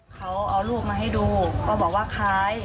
เขาเอารูปมาให้ดูก็บอกว่าคล้าย